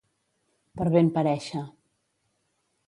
Per ben parèixer.